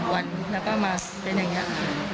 วันแล้วก็มาเป็นอย่างนี้ค่ะ